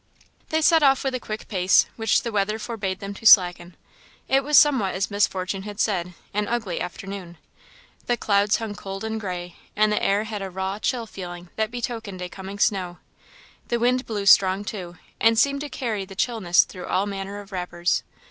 They set off with a quick pace, which the weather forbade them to slacken. It was somewhat as Miss Fortune had said, an ugly afternoon. The clouds hung cold and gray, and the air had a raw chill feeling, that betokened a coming snow. The wind blew strong, too, and seemed to carry the chillness through all manner of wrappers.